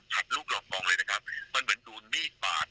ผ่านการปรุกมดกัดมาที่มันมันเหมือนน่าวิปาก